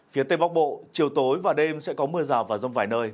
phía tây bắc bộ chiều tối và đêm sẽ có mưa rào và rông vài nơi